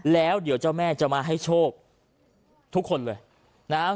แล้วเดี๋ยวเจ้าแม่จะมาให้โชคทุกคนเลยนะฮะ